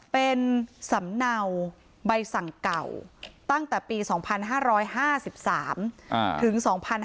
เป็นสำเนาใบสั่งเก่าตั้งแต่ปี๒๕๕๓ถึง๒๕๕๙